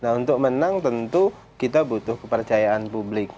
nah untuk menang tentu kita butuh kepercayaan publik